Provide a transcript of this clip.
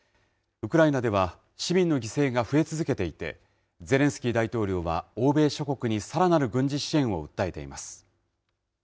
ウクライナでは市民の犠牲が増え続けていて、ゼレンスキー大統領は欧米諸国にさらなる軍事支援を訴えています。